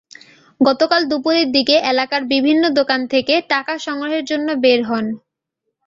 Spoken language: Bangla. গতকাল দুপুরের দিকে এলাকার বিভিন্ন দোকান থেকে টাকা সংগ্রহের জন্য বের হন।